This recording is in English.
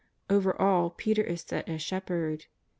Over all Peter is set as Shepherd.